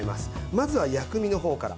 まずは薬味の方から。